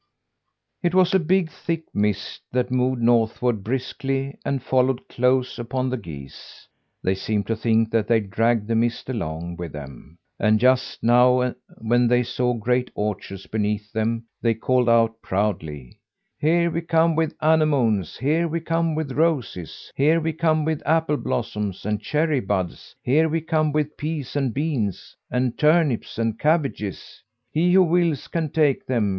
It was a big, thick mist that moved northward briskly, and followed close upon the geese. They seemed to think that they dragged the mist along with them; and, just now, when they saw great orchards beneath them, they called out proudly: "Here we come with anemones; here we come with roses; here we come with apple blossoms and cherry buds; here we come with peas and beans and turnips and cabbages. He who wills can take them.